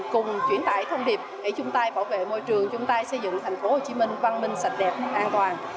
cùng chuyển tải thông điệp để chúng ta bảo vệ môi trường chúng ta xây dựng thành phố hồ chí minh văn minh sạch đẹp an toàn